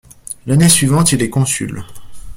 L'année suivante il est consul.